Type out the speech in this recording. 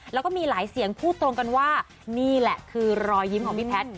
แล้วก็มีหลายเสียงพูดตรงกันว่านี่แหละคือรอยยิ้มของพี่แพทย์